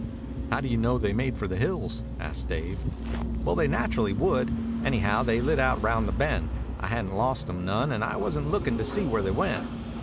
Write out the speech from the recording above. "How do you know they made for the hills?" asked Dave. "Well, they naturally would. Anyhow, they lit out round the Bend. I hadn't lost 'em none, and I wasn't lookin' to see where they went.